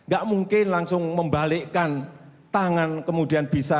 gak mungkin langsung membalikkan tangan kemudian bisa